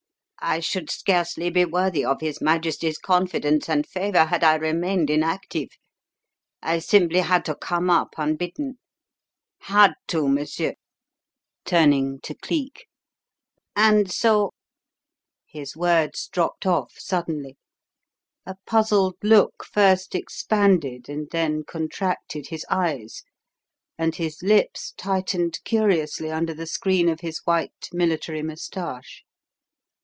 "I should scarcely be worthy of his Majesty's confidence and favour had I remained inactive. I simply had to come up unbidden. Had to, monsieur" turning to Cleek "and so " His words dropped off suddenly. A puzzled look first expanded and then contracted his eyes, and his lips tightened curiously under the screen of his white, military moustache.